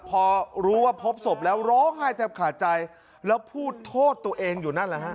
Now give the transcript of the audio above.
พอรู้ว่าพบศพแล้วร้องไห้แทบขาดใจแล้วพูดโทษตัวเองอยู่นั่นแหละฮะ